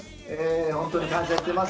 本当に感謝してます。